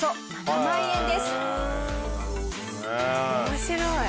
面白い。